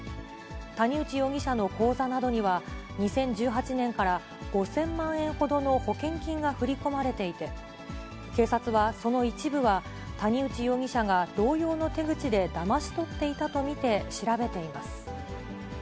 谷内容疑者の口座などには、２０１８年から５０００万円ほどの保険金が振り込まれていて、警察は、その一部は谷内容疑者が同様の手口でだまし取っていたと見て調べています。